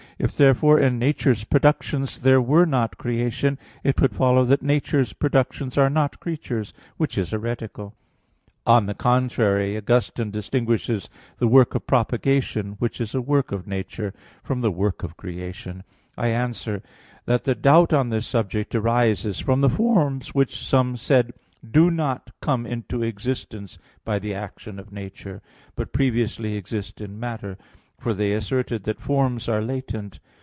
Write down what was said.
If therefore in nature's productions there were not creation, it would follow that nature's productions are not creatures; which is heretical. On the contrary, Augustine (Super Gen. v, 6,14,15) distinguishes the work of propagation, which is a work of nature, from the work of creation. I answer that, The doubt on this subject arises from the forms which, some said, do not come into existence by the action of nature, but previously exist in matter; for they asserted that forms are latent.